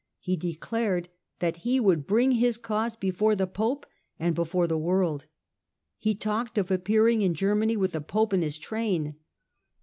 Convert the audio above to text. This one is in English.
He de clared that he would bring his cause before the Pope and before the world : he talked of appearing in Germany with the Pope in his train.